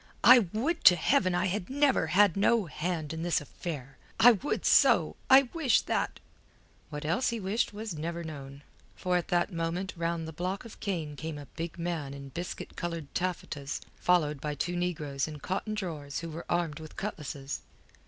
"I would to Heaven I had never had no hand in this affair. I would so! I wish that...." What else he wished was never known, for at that moment round the block of cane came a big man in biscuit coloured taffetas followed by two negroes in cotton drawers who were armed with cutlasses.